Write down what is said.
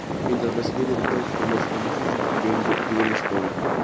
Mientras recibía dictados por los famosos John Ruskin y William Spooner.